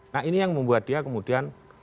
nah ini yang membuat dia kemudian